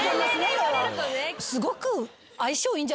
すごく。